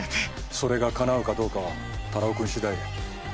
それがかなうかどうかは太郎君次第や。